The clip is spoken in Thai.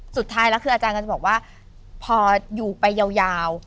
สุดท้ายแล้วคืออาจารย์ก็จะบอกว่าพออยู่ไปยาว